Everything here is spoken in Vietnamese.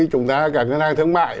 chúng ta cả ngân hàng thương mại